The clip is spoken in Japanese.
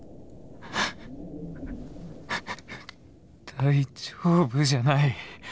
大丈夫じゃない。